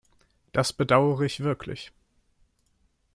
Das bedauere ich wirklich.